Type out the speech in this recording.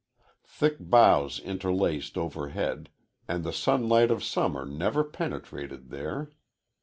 Thick boughs interlaced overhead, and the sunlight of summer never penetrated there.